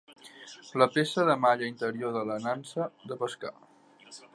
La peça de malla interior de la nansa de pescar.